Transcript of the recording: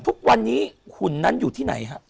ทุกวันนี้หุ่นนั้นอยู่ที่ไหนฮะ